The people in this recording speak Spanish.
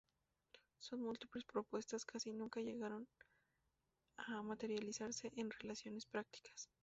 Sus múltiples propuestas casi nunca llegaron a materializarse en realizaciones prácticas.